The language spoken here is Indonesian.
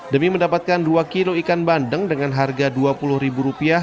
demi mendapatkan dua kg ikan bandeng dengan harga dua puluh ribu rupiah